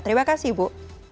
terima kasih ibu